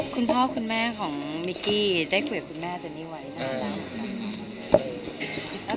คุณพ่อคุณแม่ของมิกกี้ได้คุยกับคุณแม่เจนนี่ไว้แล้ว